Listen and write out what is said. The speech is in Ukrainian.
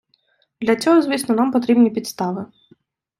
Для цього, звісно, нам потрібні підстави.